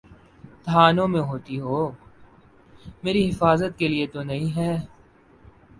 تھانوں میں ہوتی ہو، میری حفاظت کے لیے تو نہیں ہے۔